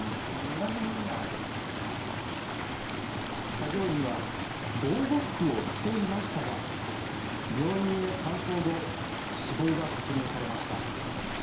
作業員は防護服を着ていましたが病院へ搬送後死亡が確認されました。